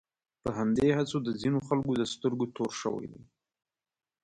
په همدې هڅو د ځینو خلکو د سترګو تور شوی دی.